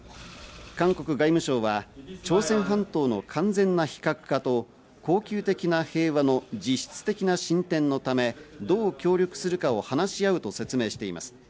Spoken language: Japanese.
韓国外務省は朝鮮半島の完全な非核化と恒久的な平和の実質的な進展のため、どう協力するかを話し合うと説明しています。